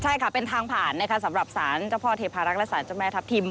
ใช่ค่ะเป็นทางผ่านนะคะสำหรับสารเจ้าพ่อเทพารักษ์และสารเจ้าแม่ทัพทิม